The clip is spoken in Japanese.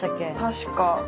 確か。